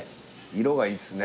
色がいいっすね